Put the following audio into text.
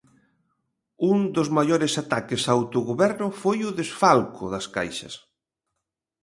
Un dos maiores ataques ao autogoberno foi o desfalco das caixas.